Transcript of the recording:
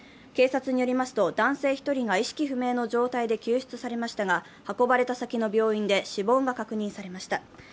警察によりますと、男性１人が意識不明の状態で救出されましたが運ばれた先の病院で死亡が確認されました。